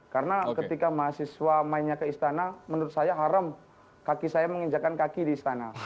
karena ketika mahasiswa mainnya ke istana menurut saya haram kaki saya menginjakkan kaki di istana